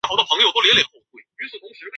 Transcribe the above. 正月十五日彩棺奉移暂安。